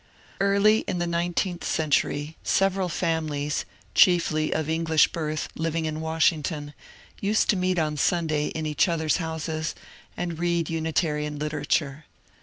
Early in the nineteenth century several families, chiefly of English birth, living in Washington, used to meet on Sun days in each other's houses, and read Unitarian literature.